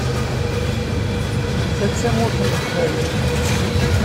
Ta d Tamurt n Leqbayel.